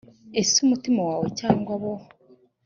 ese umutima wawe cyangwa abo